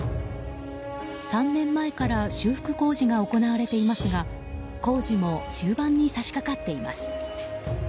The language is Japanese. ３年前から修復工事が行われていますが工事も終盤に差し掛かっています。